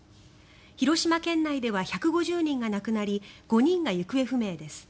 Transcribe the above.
広島県内では１５０人が亡くなり５人が行方不明です。